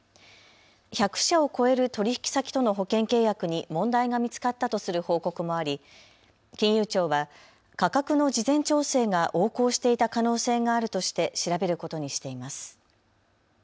１００社を超える取引先との保険契約に問題が見つかったとする報告もあり、金融庁は価格の事前調整が横行していた可能性があるとして調べることにしています。